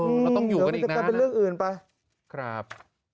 เออเราต้องอยู่กันอีกนานนะครับ